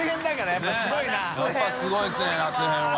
やっぱすごいですね夏編は。